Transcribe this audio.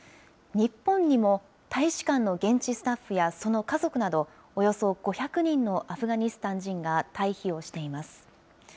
日本にも、大使館の現地スタッフやその家族など、およそ５００人のアフガニスタン人が退避をしています。